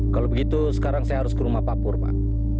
kalau begitu sekarang saya harus ke rumah papur pak